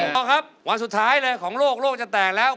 เอาครับวันสุดท้ายเลยของโลกโลกจะแตกแล้ว